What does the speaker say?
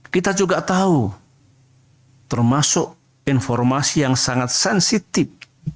kita juga tahu termasuk informasi yang sangat sensitif